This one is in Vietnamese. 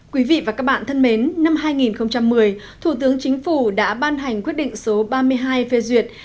quý vị và các bạn thân mến năm hai nghìn một mươi thủ tướng chính phủ đã ban hành quyết định số ba mươi hai phê duyệt